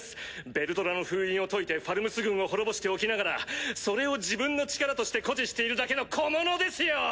ヴェルドラの封印を解いてファルムス軍を滅ぼしておきながらそれを自分の力として誇示しているだけの小者ですよ！